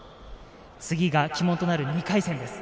次は鬼門となる２回戦です。